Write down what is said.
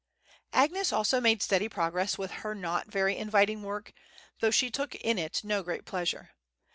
Agnes also made steady progress with her not very inviting work, though she took in it no great pleasure.